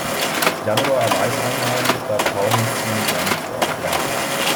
Januar allein einnahm, da Tauentzien gar nicht vor Ort war.